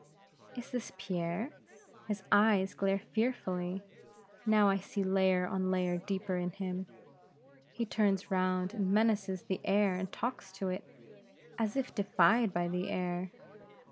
"Is this Pierre? His eyes glare fearfully; now I see layer on layer deeper in him; he turns round and menaces the air and talks to it, as if defied by the air.